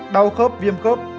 bốn đau khớp viêm khớp